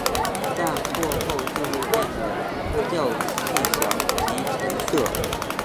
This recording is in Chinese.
但过后就会变得较细小及沉色。